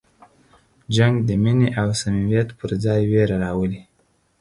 جنګ د مینې او صمیمیت پر ځای وېره راولي.